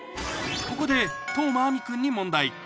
ここで當真あみ君に問題